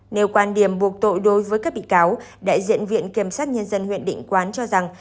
nếu quan điểm buộc tội đối với các bị cáo đại diện viện kiểm sát nhân dân huyện định quán cho rằng